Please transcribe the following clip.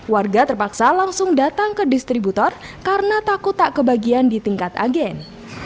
warga terpaksa langsung datang ke distributor karena takut tak kebagian di tingkat agen